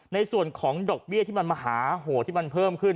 ในส่วนของดอกเบี้ยที่มันมหาโหดที่มันเพิ่มขึ้น